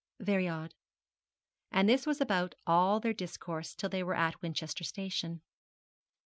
'Very odd.' And this was about all their discourse till they were at Winchester Station.